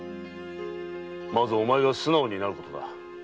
まずお前が素直になることだ。